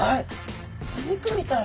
お肉みたい。